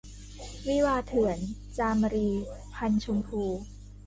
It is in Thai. วิวาห์เถื่อน - จามรี พรรณชมพู